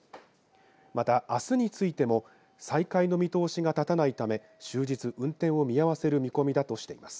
また、あすについても再開の見通しが立たないため終日、運転を見合わせる見込みだとしています。